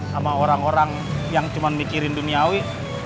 sama orang orang yang cuma mikirin duniawi